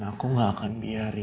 dan aku gak akan biarin